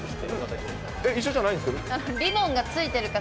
一緒じゃないんですか？